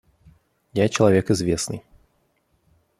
Я человек известный.